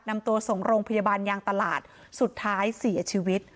นำตัวส่งโรงพยาบาลยางตลาดสุดท้ายเสียชีวิต